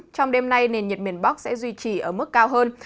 trong đêm nay nền nhiệt miền bắc sẽ duy trì ở mức cao hơn